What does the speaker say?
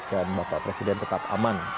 dan bapak presiden tetap aman